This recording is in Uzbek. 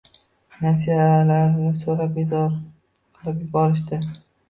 Nasiyalarni soʻrab bezor qilib yuborishdi